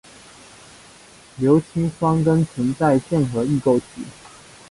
硫氰酸根存在键合异构体。